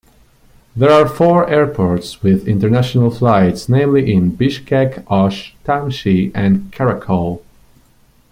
There are four airports with international flights, namely in Bishkek, Osh, Tamchy and Karakol.